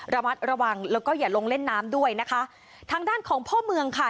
ระมัดระวังแล้วก็อย่าลงเล่นน้ำด้วยนะคะทางด้านของพ่อเมืองค่ะ